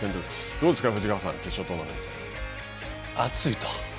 どうですか藤川さん、決勝トーナ熱いと。